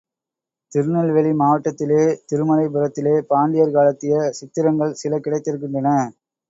திருநெல்வேலி மாவட்டத்திலே திருமலைபுரத்திலே பாண்டியர் காலத்திய சித்திரங்கள் சில கிடைத்திருக்கின்றன.